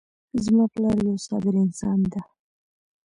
زما پلار یو صابر انسان ده